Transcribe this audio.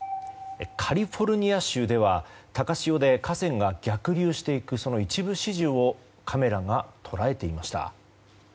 カリフォルニア州では高潮で河川が逆流していくその一部始終をカメラが捉えていました。